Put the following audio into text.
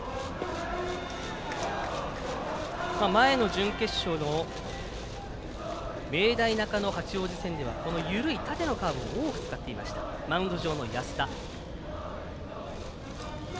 前の準決勝の明大中野八王子戦では緩い縦のカーブを多く使っていたマウンド上の安田。